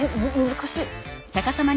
難しい！